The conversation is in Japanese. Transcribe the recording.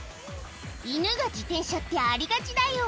「犬が自転車ってありがちだよ」